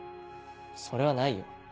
それはないよ。